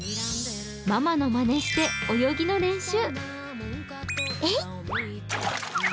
ママのまねして泳ぎの練習。